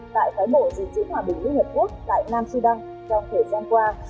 tại phái bộ gìn giữ hòa bình liên hợp quốc tại nam sudan trong thời gian qua